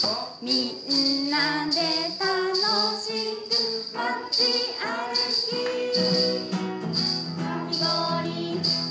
「みんなでたのしくまちあるきー！」ｔｏｉｌｅ！